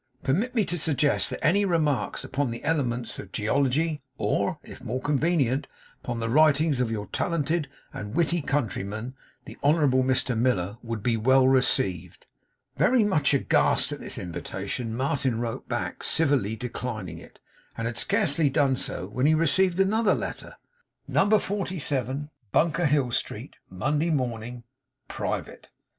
Permit me to suggest that any remarks upon the Elements of Geology, or (if more convenient) upon the Writings of your talented and witty countryman, the honourable Mr Miller, would be well received.' Very much aghast at this invitation, Martin wrote back, civilly declining it; and had scarcely done so, when he received another letter. 'No. 47, Bunker Hill Street, 'Monday Morning. '(Private).